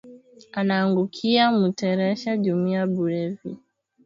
Anaangukiya mu terashe juya bulevi